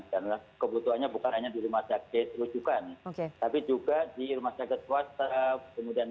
karena kebutuhannya bukan hanya di rumah sakit rujukan tapi juga di rumah sakit swasta kemudian